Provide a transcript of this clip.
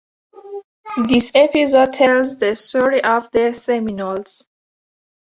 This episode tells the story of the Seminoles.